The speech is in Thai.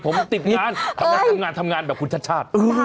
ผมติดงานทำงานแบบคุณชาติ